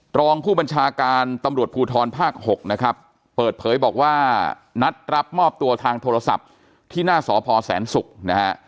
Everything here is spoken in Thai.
รองผู้บัญชาการตำรวจภูทรภาค๖นะครับเปิดเผยบอกว่านัดรับมอบตัวทางโทรศัพท์ที่หน้าสพแสนศุกร์นะฮะ